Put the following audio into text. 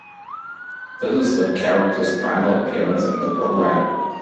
This is the character's final appearance in the programme.